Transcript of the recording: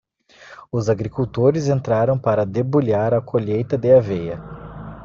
Os agricultores entraram para debulhar a colheita de aveia.